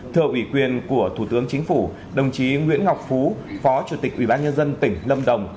thợ ủy quyền của thủ tướng chính phủ đồng chí nguyễn ngọc phú phó chủ tịch ubnd tỉnh lâm đồng